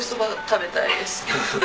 食べたいです。